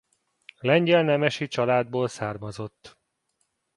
Lengyel nemesi családból származott.